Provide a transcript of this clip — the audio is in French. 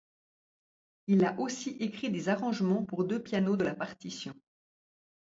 Il a aussi écrit des arrangements pour deux pianos de la partition.